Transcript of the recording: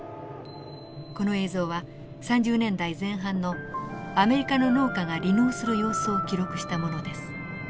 この映像は３０年代前半のアメリカの農家が離農する様子を記録したものです。